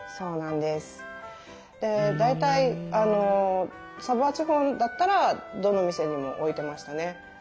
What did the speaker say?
で大体サヴォワ地方だったらどの店にも置いてましたね。